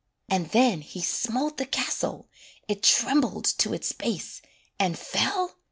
And then he smote the castle, It trembled to its base, And fell?